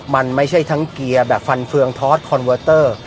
มันไม่ใช่ทั้งเกียร์แบบฟันเฟืองทอดคอนเวอร์เตอร์